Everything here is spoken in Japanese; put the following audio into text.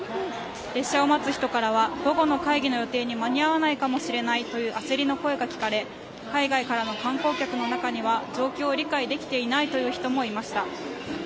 列車を待つ人からは午後の会議の予定に間に合わないかもしれないという焦りの声が聞かれ海外からの観光客の中には状況を理解できていないという人もいました。